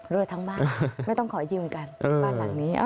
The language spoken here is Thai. ทั้งบ้านไม่ต้องขอยืมกันบ้านหลังนี้